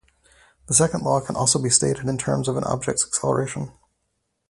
The second law can also be stated in terms of an object's acceleration.